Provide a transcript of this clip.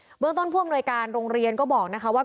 ด้วยเบื้องต้นพ่วงรายการโรงเรียนก็บอกนะคะว่า